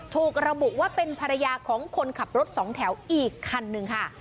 ถูกระบุว่าเป็นภรรยาของคนขับรถสองแถวอีกคันหนึ่งค่ะ